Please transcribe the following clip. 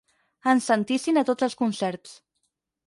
Ens sentissin a tots els concerts.